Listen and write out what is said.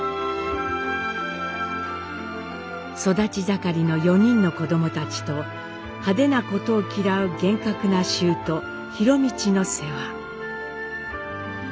育ち盛りの４人の子どもたちと派手なことを嫌う厳格なしゅうと博通の世話。